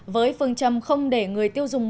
với phương trầm không để người tiêu dùng